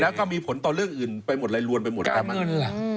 แล้วก็มีผลต่อเรื่องอื่นไปหมดลายลวนไปหมดกลาง